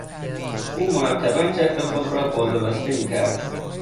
او مرتبا چتر خود را باز و بسته میکرد.